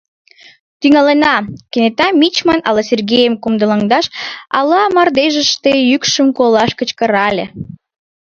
— Тӱҥалына! — кенета мичман ала Сергейым кумылаҥдаш, ала мардежыште йӱкшым колаш кычкырале.